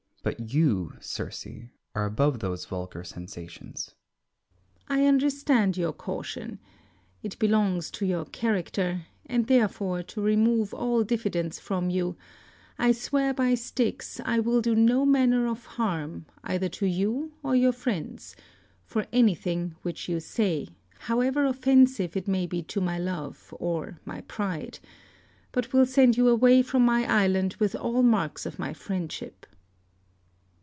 But you, Circe, are above those vulgar sensations. Circe. I understand your caution; it belongs to your character, and therefore, to remove all diffidence from you, I swear by Styx I will do no manner of harm, either to you or your friends, for anything which you say, however offensive it may be to my love or my pride, but will send you away from my island with all marks of my friendship.